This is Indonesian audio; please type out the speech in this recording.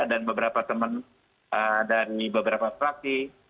dan beberapa teman dari beberapa fraksi